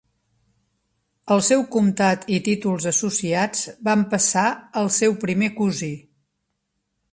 El seu comtat i títols associats van passar al seu primer cosí.